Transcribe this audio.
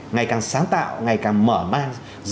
ngày càng sáng tạo ngày càng mở mang